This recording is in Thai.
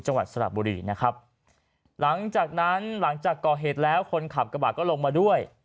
จังหวัดสระบุรีนะครับหลังจากนั้นหลังจากก่อเหตุแล้วคนขับกระบะก็ลงมาด้วย